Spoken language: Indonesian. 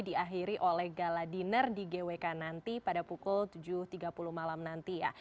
diakhiri oleh gala dinner di gwk nanti pada pukul tujuh tiga puluh malam nanti ya